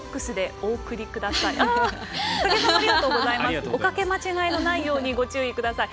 おかけ間違いのないようにご注意ください。